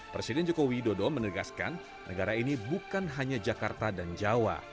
presiden joko widodo menegaskan negara ini bukan hanya jakarta dan jawa